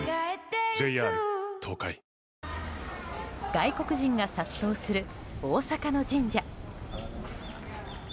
外国人が殺到する大阪の神社。